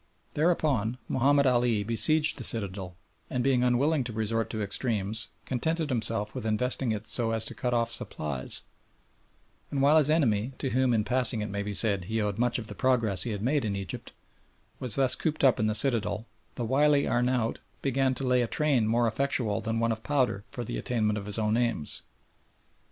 Thereupon Mahomed Ali besieged the citadel, and, being unwilling to resort to extremes, contented himself with investing it so as to cut off supplies; and while his enemy, to whom, in passing it may be said, he owed much of the progress he had made in Egypt, was thus cooped up in the citadel, the wily Arnaout began to lay a train more effectual than one of powder for the attainment of his own aims.